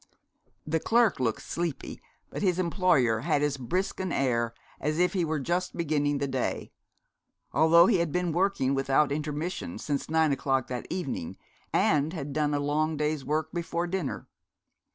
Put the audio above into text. The clerk looked sleepy, but his employer had as brisk an air as if he were just beginning the day; although he had been working without intermission since nine o'clock that evening, and had done a long day's work before dinner.